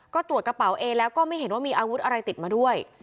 ก็ตรวจกระเป๋าเอแล้วก็ไม่เห็นว่ามีอาวุธอะไรติดมาด้วย